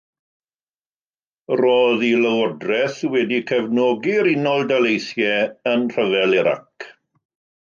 Roedd ei lywodraeth wedi cefnogi'r Unol Daleithiau yn rhyfel Irac.